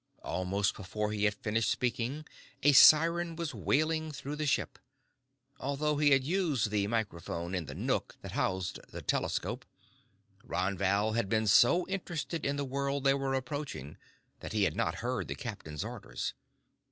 Almost before he had finished speaking, a siren was wailing through the ship. Although he had used the microphone in the nook that housed the telescope, Ron Val had been so interested in the world they were approaching that he had not heard the captain's orders.